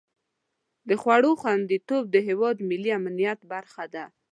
د خوړو خوندیتوب د هېواد ملي امنیت برخه ده.